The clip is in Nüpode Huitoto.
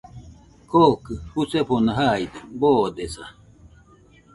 Kokɨ jusefona jaide boodesa.